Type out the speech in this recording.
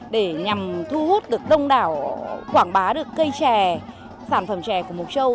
để nhằm thu hút được đông đảo quảng bá được cây chè sản phẩm chè của mộc châu